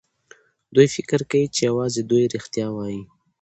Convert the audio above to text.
دوی فکر کوي چې يوازې دوی رښتيا وايي.